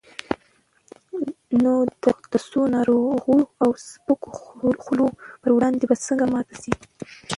نو د څو ناروغو او سپکو خولو پر وړاندې به څنګه ماته شي؟